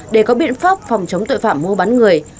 để có biện pháp phòng chống tội phạm mua bán người